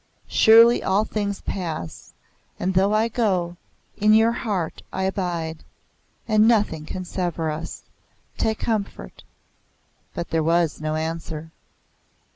"Surely all things pass. And though I go, in your heart I abide, and nothing can sever us. Take comfort." But there was no answer.